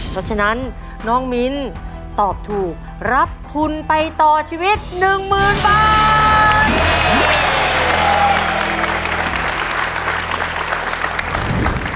เพราะฉะนั้นน้องมิ้นตอบถูกรับทุนไปต่อชีวิต๑๐๐๐บาท